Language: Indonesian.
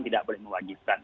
tidak boleh mewajibkan